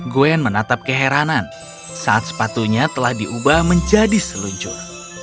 gwen menatap keheranan saat sepatunya telah diubah menjadi seluncur